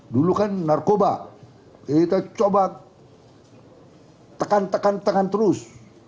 dulu kan narkoba kita coba tekan tekan tengan terus